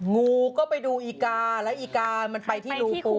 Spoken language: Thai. งูก็ไปดูอีกาแล้วอีกามันไปที่รูปู